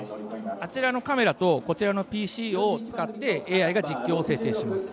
あちらのカメラとこちらのＰＣを使ってＡＩが実況を生成します。